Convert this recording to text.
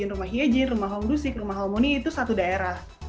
rumah hye jin rumah hong dusik rumah halmoni itu satu daerah